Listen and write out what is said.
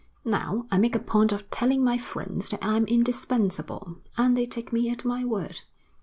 Now, I make a point of telling my friends that I'm indispensable, and they take me at my word.'